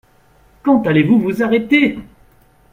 Quand allez-vous vous arrêter?